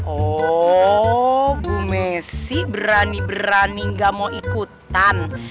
oh bu messi berani berani gak mau ikutan